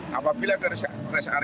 termasuk juga kami menghubung agar